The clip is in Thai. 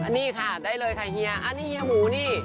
นี่ค่ะได้เลยค่ะเฮียอันนี้เฮียหมูนี่